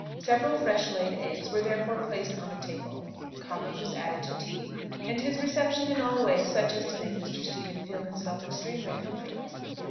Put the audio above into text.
Several fresh laid eggs were therefore placed on the table, coffee was added to tea, and his reception in all ways such as to make Mr. Stephen feel himself extremely comfortable.